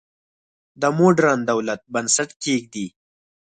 د موډرن دولت بنسټ کېږدي.